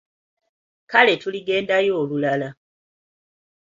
Kale tuligendayo olulala.